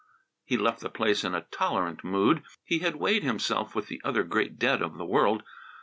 He left the place in a tolerant mood. He had weighed himself with the other great dead of the world.